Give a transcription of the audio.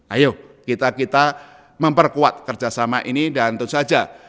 ayo kita kita memperkuat kerjasama ini dan tentu saja